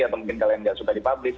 atau mungkin kalian gak suka di publis